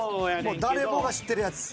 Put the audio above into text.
もう誰もが知ってるやつ。